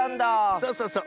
そうそうそう。